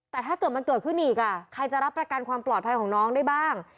แต่ถ้าเกิดมันเกิดขึ้นอีกใครจะรับประกันความปลอดภัยของน้องได้บ้าง